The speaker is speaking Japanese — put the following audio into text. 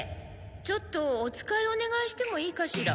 ちょっとお使いお願いしてもいいかしら？